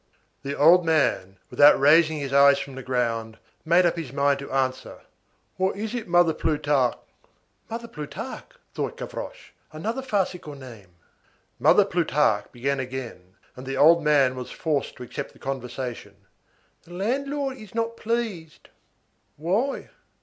The old man, without raising his eyes from the ground, made up his mind to answer:— "What is it, Mother Plutarque?" "Mother Plutarque!" thought Gavroche, "another farcical name." Mother Plutarque began again, and the old man was forced to accept the conversation:— "The landlord is not pleased." "Why?"